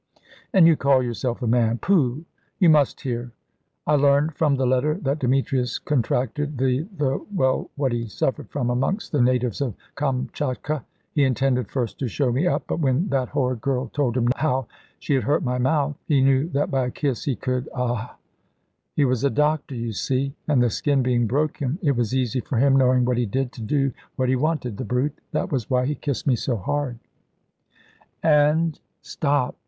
"And you call yourself a man pooh! You must hear. I learned from the letter that Demetrius contracted the the well, what he suffered from, amongst the natives of Kamchatka. He intended first to show me up; but when that horrid girl told him how she had hurt my mouth, he knew that by a kiss he could ahr r r! He was a doctor, you see, and the skin being broken, it was easy for him, knowing what he did, to do what he wanted the brute! That was why he kissed so hard, and " "Stop!